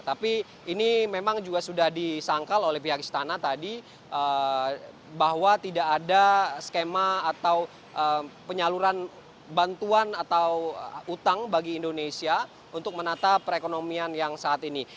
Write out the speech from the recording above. tapi ini memang juga sudah disangkal oleh pihak istana tadi bahwa tidak ada skema atau penyaluran bantuan atau utang bagi indonesia untuk menata perekonomian yang saat ini